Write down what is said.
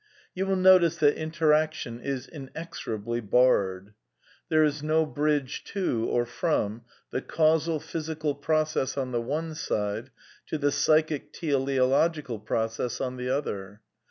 You will notice that interaction is in exorably barred. There is no bridge to or from the causal^<^ physical process on the one side to the psychic teleologicai process on the other.